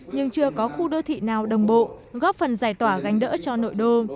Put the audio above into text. nhưng chưa có khu đô thị nào đồng bộ góp phần giải tỏa gánh đỡ cho nội đô